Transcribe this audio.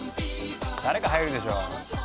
誰か入るでしょ。